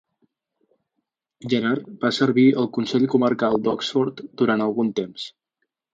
Gerard va servir al Consell Comarcal d'Oxford durant algun temps.